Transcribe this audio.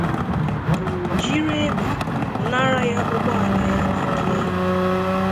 jiri egbe pụnara ya ụgbọala ya n'ike